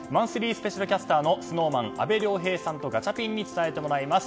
スペシャルキャスターのＳｎｏｗＭａｎの阿部亮平さんとガチャピンに伝えてもらいます。